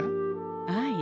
あい。